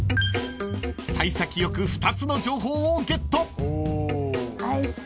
［幸先よく２つの情報をゲット］